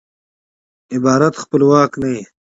عبارت خپلواک نه يي.